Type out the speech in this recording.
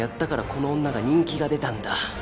この女が人気が出たんだ。